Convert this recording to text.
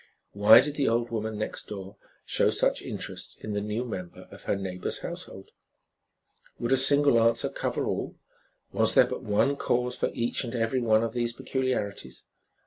Why did the old woman next door show such interest in the new member of her neighbor's household? Would a single answer cover all? Was there but one cause for each and every one of these peculiarities?